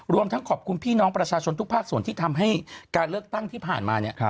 รวมทั้งขอบคุณพี่น้องประชาชนทุกภาคส่วนที่ทำให้การเลือกตั้งที่ผ่านมาเนี่ย